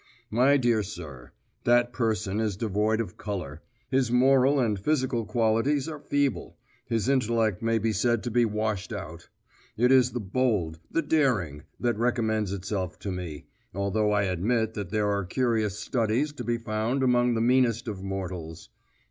My dear sir, that person is devoid of colour, his moral and physical qualities are feeble, his intellect may be said to be washed out. It is the bold, the daring, that recommends itself to me, although I admit that there are curious studies to be found among the meanest of mortals.